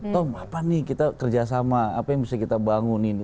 tom apa nih kita kerjasama apa yang bisa kita bangun ini